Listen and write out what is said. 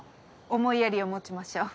思いやりを持ちましょう。